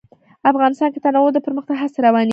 افغانستان کې د تنوع د پرمختګ هڅې روانې دي.